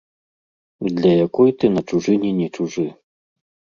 Для якой ты на чужыне не чужы.